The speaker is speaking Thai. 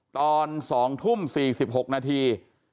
ตอน๒ทุ่ม๔๖นาที